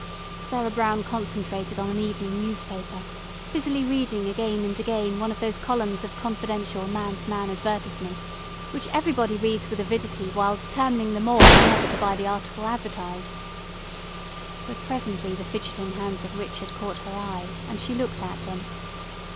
Sarah Brown concentrated on an evening newspaper, busily reading again and again one of those columns of confidential man to man advertisement, which everybody reads with avidity while determining the more never to buy the article advertised. But presently the fidgeting hands of Richard caught her eye, and she looked at him.